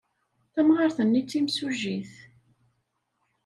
Tamɣart-nni d timsujjit.